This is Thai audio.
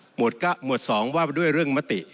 หมวด๒ว่าด้วยเรื่องมติ